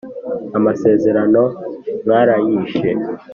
amasezerano mwarayishe